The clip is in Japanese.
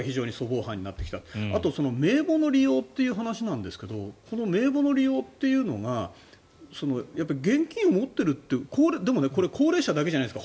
あと、名簿の利用という話ですが名簿の利用というのが現金を持っているという高齢者だけじゃないですか。